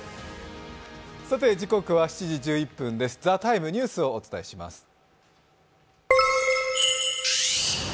時刻は７時１１分です「ＴＨＥＴＩＭＥ，ニュース」をお伝えします。